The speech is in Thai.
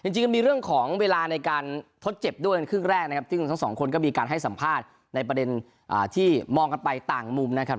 จริงก็มีเรื่องของเวลาในการทดเจ็บด้วยเป็นครึ่งแรกนะครับซึ่งทั้งสองคนก็มีการให้สัมภาษณ์ในประเด็นที่มองกันไปต่างมุมนะครับ